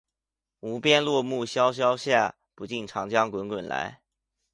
无边落木萧萧下，不尽长江滚滚来